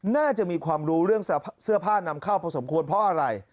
น่าจะมีความรู้เรื่องเสื้อผ้านำเข้าพอสมควรเพราะอะไร